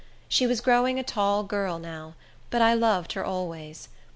She was growing a tall girl now, but I loved her always.